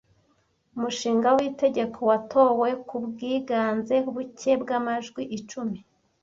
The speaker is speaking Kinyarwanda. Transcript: Umushinga w’itegeko watowe ku bwiganze buke bw’amajwi icumi .